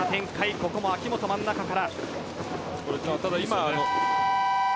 ここも秋本、真ん中から。